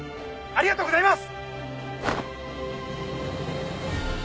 ありがとうございます！